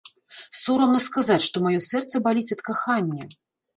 Сорамна сказаць, што маё сэрца баліць ад кахання.